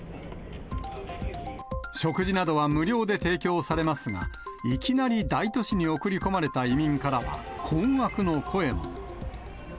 食事などは無料で提供されますが、いきなり大都市に送り込まれた移民からは、困惑の声も。